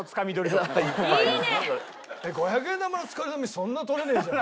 五百円玉のつかみ取りそんな取れねえじゃん。